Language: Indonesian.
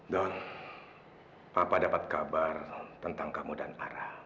don papa dapat kabar tentang kamu dan ara